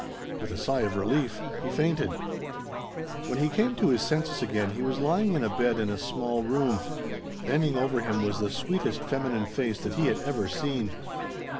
With a sigh of relief, he fainted.... When he came to his senses again, he was lying in a bed in a small room. Bending over him was the sweetest feminine face that he had ever seen.